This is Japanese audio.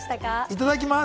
いただきます！